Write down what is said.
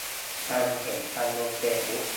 ยังเห็นกันบนเฟซบุ๊ก